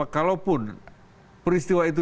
kalaupun peristiwa itu